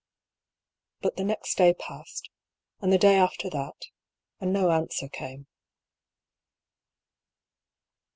But the next day passed, and the day after that, and no answer came.